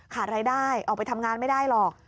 ขาดรายได้ออกไปทำงานไม่ได้หรอก